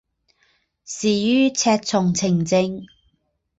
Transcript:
仕于赤松晴政。